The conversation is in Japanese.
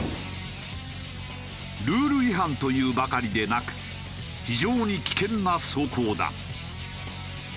ルール違反というばかりでなく非常に危険な走行だ。